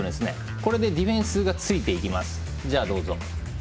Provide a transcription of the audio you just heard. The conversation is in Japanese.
これでディフェンスがついていきます。